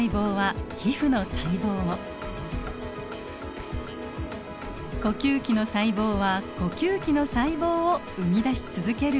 呼吸器の細胞は呼吸器の細胞を生み出し続けるわけです。